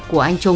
của anh trung